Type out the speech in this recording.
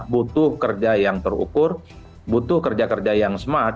butuh kerja yang terukur butuh kerja kerja yang smart